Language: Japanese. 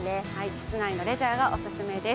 室内のレジャーがおすすめです。